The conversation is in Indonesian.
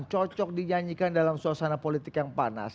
cocok dinyanyikan dalam suasana politik yang panas